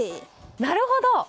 なるほど！